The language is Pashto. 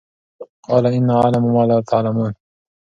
قَالَ إِنِّىٓ أَعْلَمُ مَا لَا تَعْلَمُونَ